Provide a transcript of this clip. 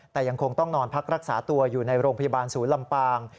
แต่ยังคงต้องนอนพักรักษาตัวอยู่ในโรงพยาบาลศูนย์ลำปาง